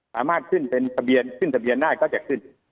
สามารถขึ้นเป็นทะเบียนขึ้นทะเบียนได้ก็จะขึ้น